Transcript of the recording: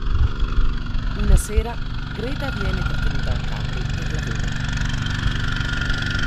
Una sera, Greta viene trattenuta a Capri per lavoro.